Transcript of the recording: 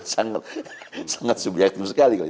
saya kira sangat subjektif sekali